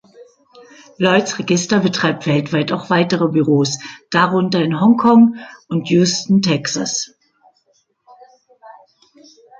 Lloyd's Register betreibt weltweit auch weitere Büros, darunter in Hongkong und Houston, Texas.